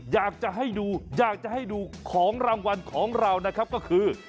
อยากจะให้ดูอยากจะให้ดูของรางวัลของเรานะครับก็คือ